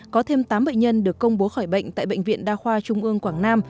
có thêm tám bệnh nhân được công bố khỏi bệnh tại bệnh viện đa khoa trung ương quảng nam